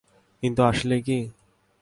কিন্তু আসলেই কি?